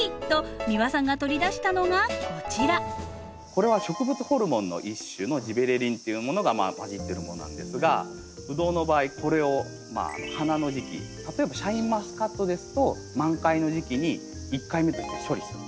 これは植物ホルモンの一種のジベレリンっていうものが混じってるものなんですがブドウの場合これを花の時期例えばシャインマスカットですと満開の時期に１回目として処理する。